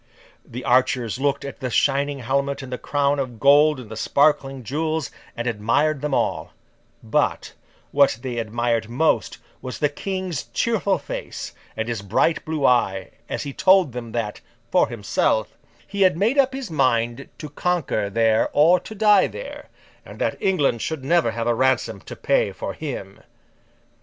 The archers looked at the shining helmet and the crown of gold and the sparkling jewels, and admired them all; but, what they admired most was the King's cheerful face, and his bright blue eye, as he told them that, for himself, he had made up his mind to conquer there or to die there, and that England should never have a ransom to pay for him.